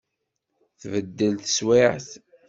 Tbeddel teswiεt.